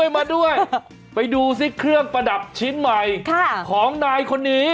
มาด้วยไปดูซิเครื่องประดับชิ้นใหม่ของนายคนนี้